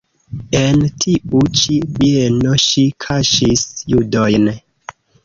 En tiu ĉi bieno ŝi kaŝis judojn.